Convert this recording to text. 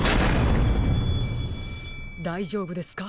だいじょうぶですか？